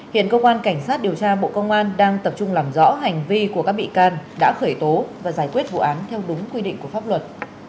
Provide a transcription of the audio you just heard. hiện cơ quan cảnh sát điều tra bộ công an đang tập trung làm rõ hành vi của các bị can đã khởi tố và giải quyết vụ án theo đúng quy định của pháp luật